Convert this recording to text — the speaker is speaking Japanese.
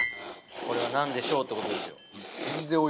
これは何でしょうってことですよ